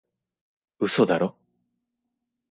嘘だろ？